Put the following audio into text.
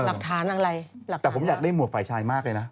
หลักฐานอะไรหลักฐานแต่ผมอยากได้หมวดฝ่ายชายมากเลยนะ